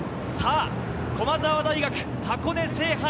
さあ、駒澤大学、箱根制覇へ。